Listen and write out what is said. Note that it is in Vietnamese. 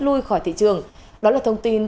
lui khỏi thị trường đó là thông tin